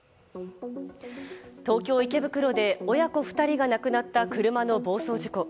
東京・池袋で親子２人が亡くなった車の暴走事故。